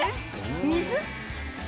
水？